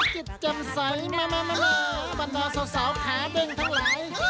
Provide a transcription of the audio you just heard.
จิตจำใสบรรดาสาวขาเด้งทั้งหลาย